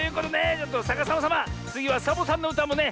ちょっとさかさまさまつぎはサボさんのうたもね